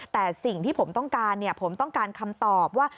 แต่สิ่งที่ผมต้องการผมต้องการคำตอบว่า